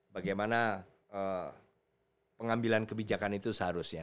bagaimana pengambilan kebijakan itu seharusnya